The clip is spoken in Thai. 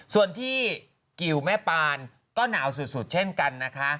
ส่วนที่กิวแม่ปานก็หนาวสุดเช่นกันนะคะ